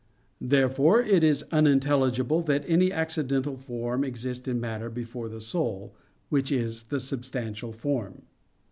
Therefore it is unintelligible that any accidental form exist in matter before the soul, which is the substantial form.